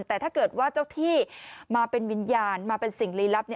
แต่ถ้าเกิดว่าเจ้าที่มาเป็นวิญญาณมาเป็นสิ่งลีลับ